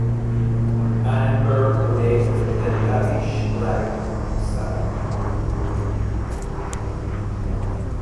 Annenberg led a lavish lifestyle.